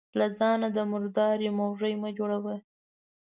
له ځانه د مرداري موږى مه جوړوه.